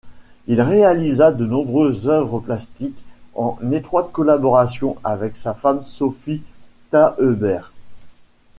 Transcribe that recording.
Il réalisa de nombreuses œuvres plastiques, en étroite collaboration avec sa femme, Sophie Taeuber.